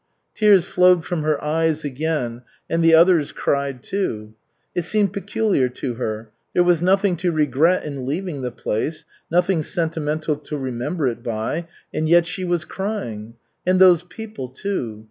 Tears flowed from her eyes again and the others cried, too. It seemed peculiar to her; there was nothing to regret in leaving the place, nothing sentimental to remember it by, and yet she was crying. And those people, too.